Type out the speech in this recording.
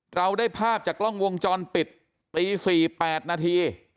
เราได้ภาพจากกล้องวงจรปิดตี๔๘นาที